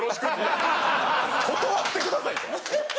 断ってくださいと。